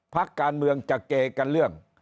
พักการเมืองจะเกกันเรื่อง